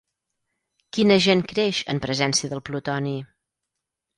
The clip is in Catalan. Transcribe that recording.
Quin agent creix en presència del plutoni?